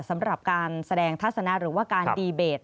สำหรับการแสดงทัศนะหรือว่าการดีเบต